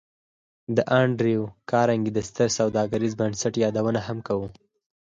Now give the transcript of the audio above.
د انډریو کارنګي د ستر سوداګریز بنسټ یادونه هم کوو